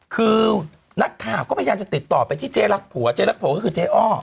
คือนักข่าวก็พยายามจะติดต่อไปที่เจ๊รักผัวเจ๊รักผัวก็คือเจ๊อ้อ